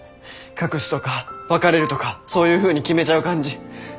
隠すとか別れるとかそういうふうに決めちゃう感じ。